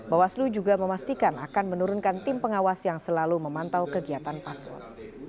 bawaslu juga memastikan akan menurunkan tim pengawas yang selalu memantau kegiatan paslon